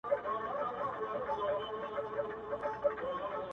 • تا ته می پخوا پېیلی هار دی بیا به نه وینو -